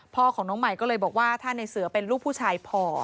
พ่อของน้องใหม่ก็เลยบอกว่าถ้าในเสือเป็นลูกผู้ชายพอ